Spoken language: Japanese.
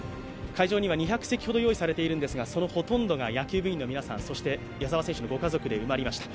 会場には２００席ほど用意されているんですが、そのほとんどが野球部員の皆さん、そして矢澤選手のご家族で埋まりました。